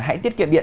hãy tiết kiệm điện